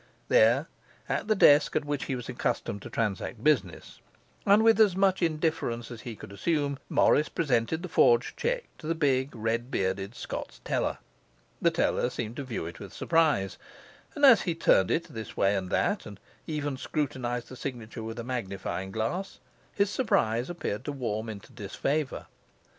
There, at the desk at which he was accustomed to transact business, and with as much indifference as he could assume, Morris presented the forged cheque to the big, red bearded Scots teller. The teller seemed to view it with surprise; and as he turned it this way and that, and even scrutinized the signature with a magnifying glass, his surprise appeared to warm into disfavour.